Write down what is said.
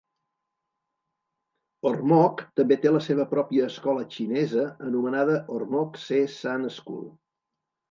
Ormoc també té la seva pròpia escola xinesa anomenada Ormoc Se San School.